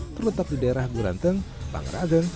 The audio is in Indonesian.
terletak di daerah buranteng bangradeng